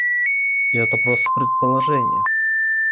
И это просто предположение.